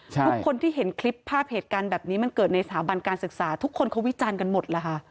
ทุกคนที่เห็นคลิปภาพเหตุการณ์แบบนี้มันเกิดในสถาบันการศึกษาทุกคนเขาวิจารณ์กันหมดล่ะค่ะ